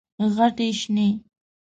غټي شنې،